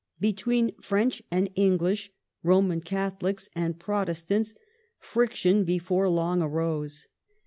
Between French and English, Roman Catholics and Protestants, friction, before long, arose.